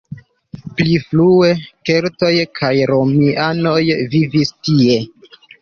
Pli frue keltoj kaj romianoj vivis tie.